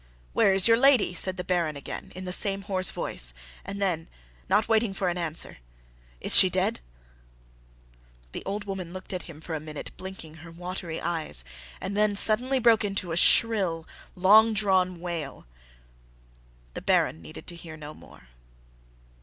"Where is your lady?" said the Baron again, in the same hoarse voice; and then, not waiting for an answer, "Is she dead?" The old woman looked at him for a minute blinking her watery eyes, and then suddenly broke into a shrill, long drawn wail. The Baron needed to hear no more.